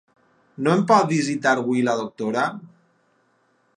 No em pot visitar avui la doctora?